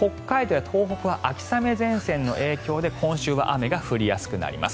北海道や東北は秋雨前線の影響で今週は雨が降りやすくなります。